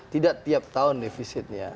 tidak tiap tahun defisitnya